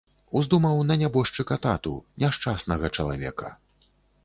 Уздумаў на нябожчыка тату, няшчаснага чалавека.